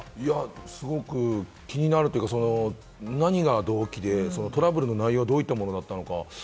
すごく気になるというか、何が動機でトラブルの内容がどういったものだったのか。